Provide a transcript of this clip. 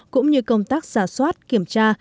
cũng như công tác giả soát kiểm tra